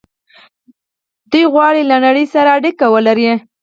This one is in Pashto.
دوی غواړي له نړۍ سره اړیکه ولري.